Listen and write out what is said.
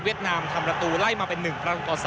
นามทำประตูไล่มาเป็น๑ประตูต่อ๓